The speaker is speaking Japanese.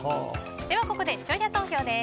ここで視聴者投票です。